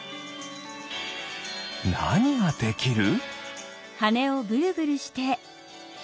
なにができる？